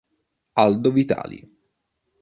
Aldo Vitali